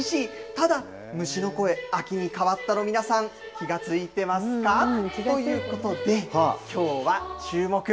ただ、虫の声、秋に変わったの、皆さん気が付いてますか？ということで、きょうはチューモク！